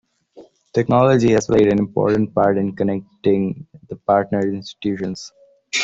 Technology has played an important part in connecting the partner institutions.